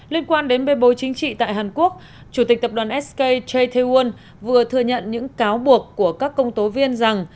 lên quan đến bê bôi chính trị tại hàn quốc chủ tịch tập đoàn sk chae tae woon vừa thừa nhận những cáo buộc của các công tố viên rằng